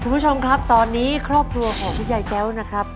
คุณผู้ชมครับตอนนี้ครอบครัวของคุณยายแจ้วนะครับ